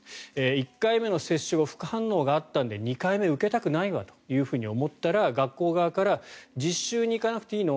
１回目の接種後副反応があったので２回目を受けたくないわと思ったら学校側から実習に行かなくていいの？